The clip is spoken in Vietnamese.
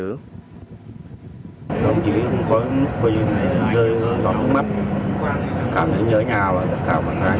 các đồng chí cũng có những lúc rơi ngọt mắt cảm thấy nhớ nhà và tất cả các bạn